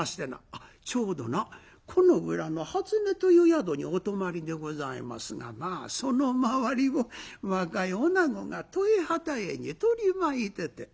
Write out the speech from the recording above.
あっちょうどなこの裏のはつねという宿にお泊まりでございますがまあその周りを若い女子が十重二十重に取り巻いてて。